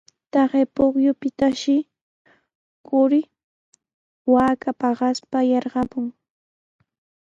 Taqay pukyupitashi quri waaka paqaspa yarqamun.